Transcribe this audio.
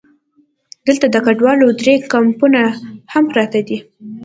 دلته د کډوالو درې کمپونه هم پراته دي.